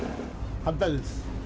反対です。